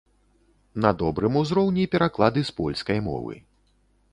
На добрым узроўні пераклады з польскай мовы.